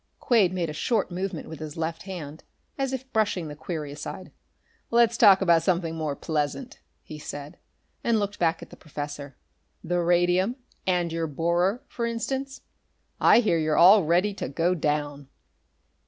Quade made a short movement with his left hand, as is brushing the query aside. "Let's talk about something more pleasant," he said, and looked back at the professor. "The radium, and your borer, for instance. I hear you're all ready to go down."